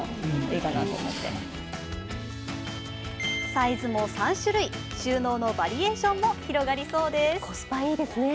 サイズも３種類、収納のバリエーションも広がりそうです。